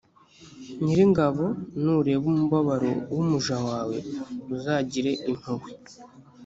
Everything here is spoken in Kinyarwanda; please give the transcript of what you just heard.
nyiringabo nureba umubabaro w’umuja wawe uzagire impuhwe